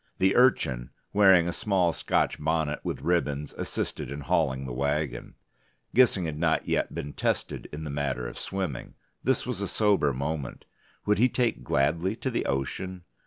The Urchin, wearing a small Scotch bonnet with ribbons, assisted in hauling the wagon. Gissing had not yet been tested in the matter of swimming: this was a sober moment. Would he take gladly to the ocean?